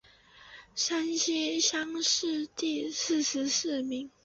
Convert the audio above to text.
山西乡试第四十四名。